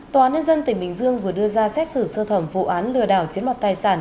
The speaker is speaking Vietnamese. tòa án nhân dân tỉnh bình dương vừa đưa ra xét xử sơ thẩm vụ án lừa đảo chiến mặt tài sản